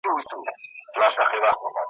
هم شیرین، هم وېروونکی، لړزوونکی ,